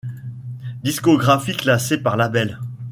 Discographie classée par label.